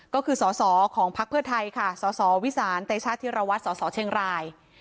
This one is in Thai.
ก็คือสสของพภไทยสสวิสานตชธิรวัตรสสเชียงราย